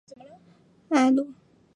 埃鲁维尔圣克莱。